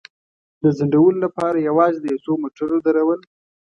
د ځنډولو لپاره یوازې د یو څو موټرو درول.